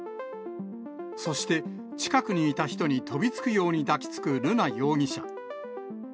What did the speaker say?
そして、近くにいた人に飛びつくように抱きつく瑠奈容疑者。